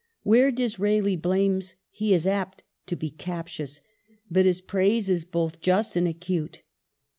Where Disraeli blames he is apt to be captious, but his praise is both just and acute.